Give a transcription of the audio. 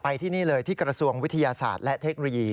ที่นี่เลยที่กระทรวงวิทยาศาสตร์และเทคโนโลยี